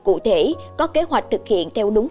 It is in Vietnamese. cụ thể có kế hoạch thực hiện theo đúng